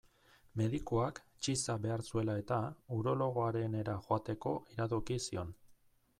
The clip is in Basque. Medikuak, txiza behar zuela-eta, urologoarenera joateko iradoki zion.